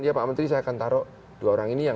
ya pak menteri saya akan taruh dua orang ini yang